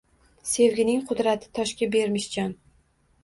Sevgining qudrati toshga bermish jon!